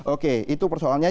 oke itu persoalannya